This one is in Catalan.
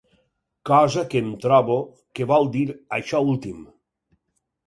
Cosa que em trobo que vol dir això últim.